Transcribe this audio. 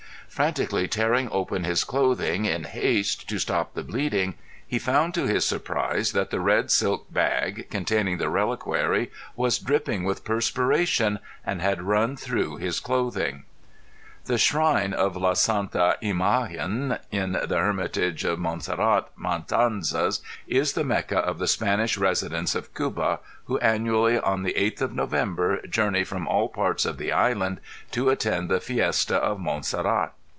Frantically tearing open his clothing in haste to stop the bleeding he found to his surprise that the red silk bag, containing the reliquary was dripping with perspiration and had run through his clothing. The Shrine of La Santa Imagen in the Hermitage of Monserrat, Matanzas, is the Mecca of the Spanish residents of Cuba, who annually in the 8th of November journey from all parts of the Island to attend the fiesta of Monserrat.